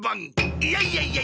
いやいやいやいや！